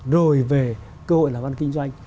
rồi về cơ hội làm văn kinh doanh